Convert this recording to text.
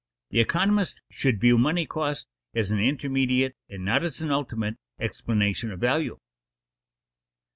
_The economist should view money cost as an intermediate and not as an ultimate explanation of value.